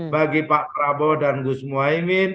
bagi pak prabowo dan gus muhaymin